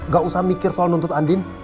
gak usah mikir soal nuntut andin